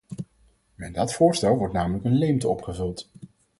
Met dat voorstel wordt namelijk een leemte opgevuld.